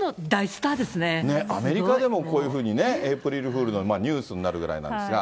アメリカでもこういうふうにね、エープリルフールのニュースになるぐらいなんですが。